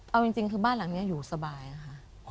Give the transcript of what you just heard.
เอาจริงคือบ้านหลังนี้อยู่สบายค่ะ